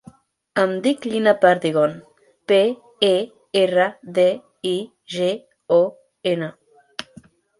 Em dic Lina Perdigon: pe, e, erra, de, i, ge, o, ena.